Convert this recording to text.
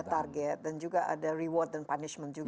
jadi ada target dan juga ada reward dan punishment juga